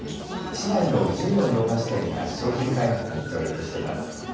市内の１０の洋菓子店が商品開発に協力しています。